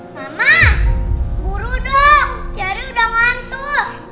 mama buru dong ceri udah ngantuk